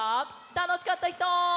たのしかったひと！